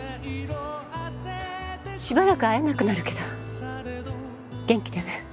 しばらく会えなくなるけど元気でね。